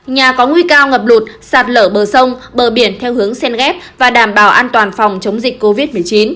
nhà có nguy cơ ngập lụt sạt lở bờ sông bờ biển theo hướng sen ghép và đảm bảo an toàn phòng chống dịch covid một mươi chín